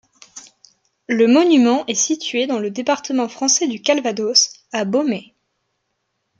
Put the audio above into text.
Le monument est situé dans le département français du Calvados, à Beaumais.